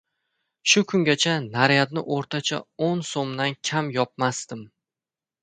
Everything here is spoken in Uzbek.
Shu kungacha naryadni o‘rtacha o‘n so‘mdan kam yopmasdim.